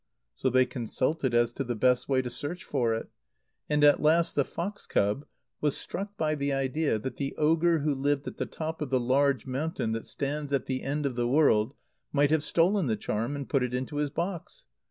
So they consulted as to the best way to search for it; and at last the fox cub was struck by the idea that the ogre who lived at the top of the large mountain that stands at the end of the world might have stolen the charm and put it into his box.